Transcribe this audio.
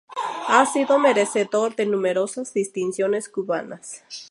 Ha sido merecedor de numerosas distinciones cubanas.